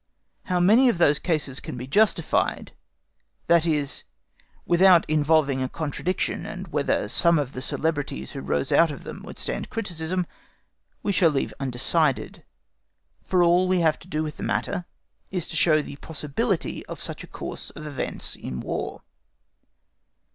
How many of those cases can be justified, that is, without involving a contradiction and whether some of the celebrities who rose out of them would stand criticism, we shall leave undecided, for all we have to do with the matter is to show the possibility of such a course of events in War.